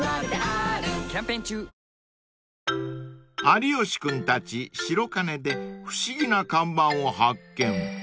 ［有吉君たち白金で不思議な看板を発見］